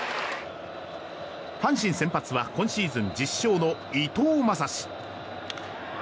阪神先発は今シーズン１０勝の伊藤将司。